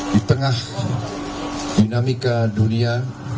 di tengah dinamika dunia